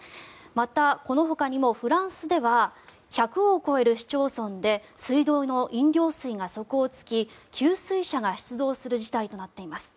また、このほかにもフランスでは１００を超える市町村で水道の飲料水が底を突き給水車が出動する事態となっています。